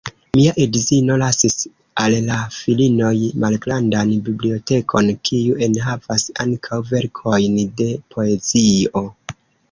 Mia edzino lasis al la filinoj malgrandan bibliotekon, kiu enhavas ankaŭ verkojn de poezio.